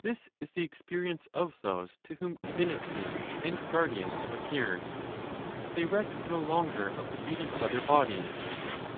This is the experience of those to whom divinities and guardians have appeared; they reck no longer of the beauty of other bodies.